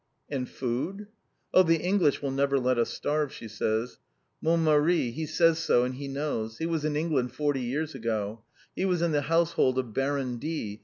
"And food?" "Oh, the English will never let us starve," she says. "Mon Mari, he says so, and he knows. He was in England forty years ago. He was in the household of Baron D.